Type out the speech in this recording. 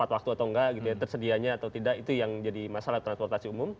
lalu apa yang diberikan gitu atau enggak tersedianya atau tidak itu yang menjadi masalah transportasi umum